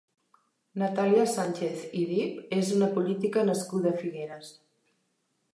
Natàlia Sànchez i Dipp és una política nascuda a Figueres.